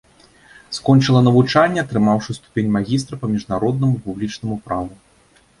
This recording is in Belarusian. Скончыла навучанне, атрымаўшы ступень магістра па міжнароднаму публічнаму праву.